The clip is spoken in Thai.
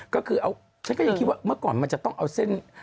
ก็คือฉันก็ยังคิดว่าเมื่อก่อนมันจะต้องเอาเส้น